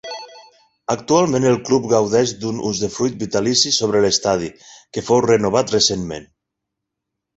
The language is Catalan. Actualment el club gaudeix d'un usdefruit vitalici sobre l'Estadi, que fou renovat recentment.